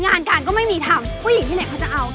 งานการก็ไม่มีทำผู้หญิงที่ไหนเขาจะเอา